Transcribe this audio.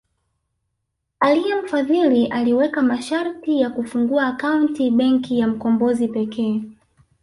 Aliyemfadhili aliweka masharti ya kufungua akaunti Benki ya Mkombozi pekee